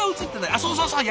あっそうそうそう！